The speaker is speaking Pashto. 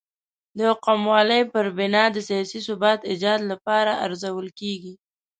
د یو قوموالۍ پر بنا د سیاسي ثبات ایجاد لپاره ارزول کېږي.